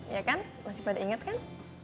ya kan masih pada inget kan